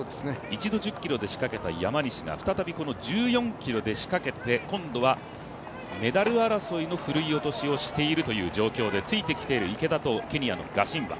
一度１０ｋｍで仕掛けた山西が再びこの１４ｋｍで仕掛けて今度はメダル争いのふるい落としをしているという状況でついてきている池田とケニアのガシンバ。